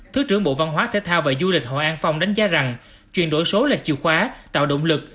thứ trưởng bộ văn hóa thể thao và du lịch hội an phong đánh giá rằng chuyển đổi số là chiều khóa tạo động lực